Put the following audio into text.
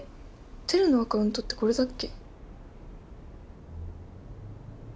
テルのアカウントってこれだっけ？